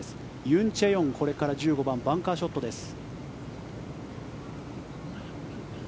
ユン・チェヨン、これから１５番バンカーショットです。